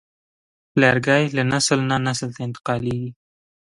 لرګی له نسل نه نسل ته انتقالېږي.